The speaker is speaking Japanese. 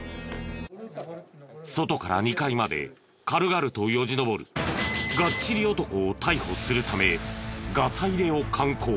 外から２階まで軽々とよじ登るガッチリ男を逮捕するためガサ入れを敢行。